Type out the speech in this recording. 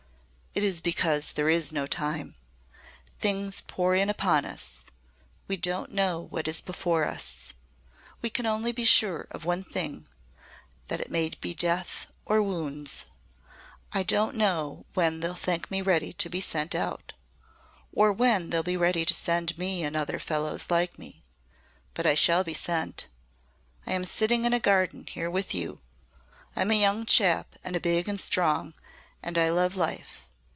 "It is because there is no time. Things pour in upon us. We don't know what is before us. We can only be sure of one thing that it may be death or wounds. I don't know when they'll think me ready to be sent out or when they'll be ready to send me and other fellows like me. But I shall be sent. I am sitting in a garden here with you. I'm a young chap and big and strong and I love life.